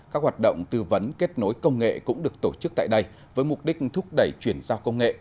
các hoạt động tư vấn kết nối công nghệ cũng được tổ chức tại đây với mục đích thúc đẩy chuyển giao công nghệ